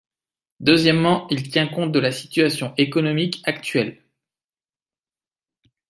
Deuxièmement, il tient compte de la situation économique actuelle.